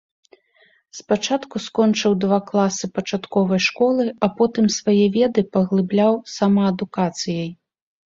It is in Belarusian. Спачатку скончыў два класы пачатковай школы, а потым свае веды паглыбляў самаадукацыяй.